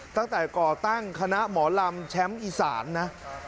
ก่อตั้งคณะหมอลำแชมป์อีสานนะ